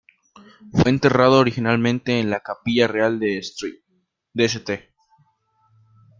Fue enterrado originalmente en la Capilla Real de St.